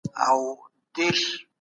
ډیپلوماسي غوره حل لار ده.